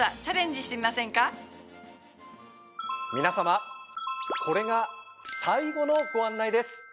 皆様これが最後のご案内です。